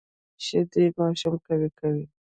شیدې ماشوم قوي کوي